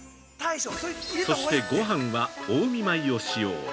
そしてごはんは近江米を使用。